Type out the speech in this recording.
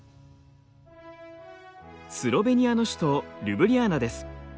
スロベニアの首都リュブリャナです。